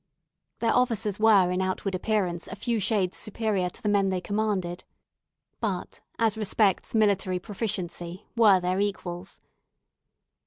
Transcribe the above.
Their officers were in outward appearance a few shades superior to the men they commanded, but, as respects military proficiency, were their equals.